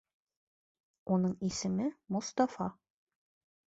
Уның исеме Мостафа.